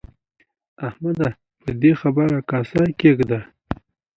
احمده! پر دې خبره کاسه کېږده.